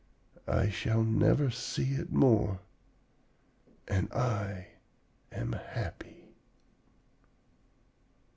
I shall never see it more, and I am happy.'